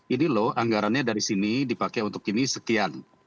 ini loh anggarannya dari sini dipakai untuk ini sekian